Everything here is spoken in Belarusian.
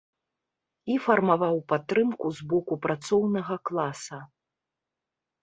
І фармаваў падтрымку з боку працоўнага класа.